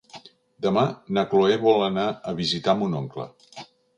Demà na Chloé vol anar a visitar mon oncle.